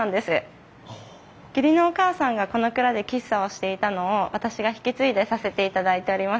義理のお母さんがこの蔵で喫茶をしていたのを私が引き継いでさせていただいております。